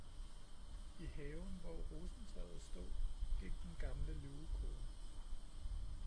I haven, hvor rosentræet stod, gik den gamle lugekone